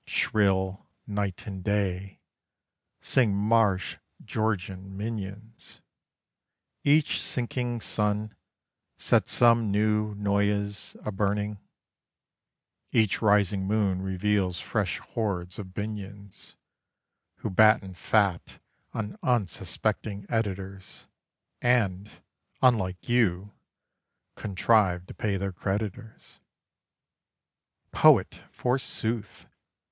Shrill, night and day, sing Marsh Georgian minions: Each sinking sun sets some new Noyes a burning, Each rising moon reveals fresh hordes of Binyons; Who batten fat on unsuspecting editors, And unlike you contrive to pay their creditors. "Poet, forsooth!